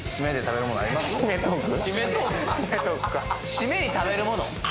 シメに食べるもの？